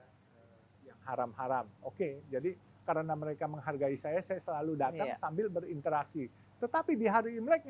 hai yang haram haram oke jadi karena mereka tinggal empat hari jadi mau tinggal pak tuas usut tapi ini jangan diusahakan karena tapi ini juga harus digabungkan bahwa istrinya asal itu hanya tff artinya